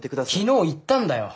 昨日行ったんだよ。